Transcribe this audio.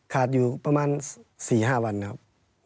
ขาดอยู่ประมาณ๔๕วันนะครับ